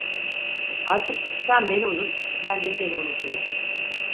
Artık sen beni unut, ben de seni unutayım…